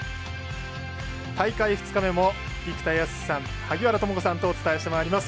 大会２日目も生田泰志さん、萩原智子さんとお伝えしてまいります。